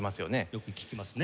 よく聞きますね。